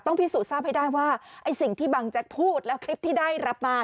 ต้องพรีสูจน์ทราบให้ได้ว่าสิ่งที่บางแจ็คพูดและคลิปที่ได้รับมา